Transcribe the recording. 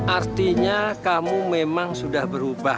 artinya kamu memang sudah berubah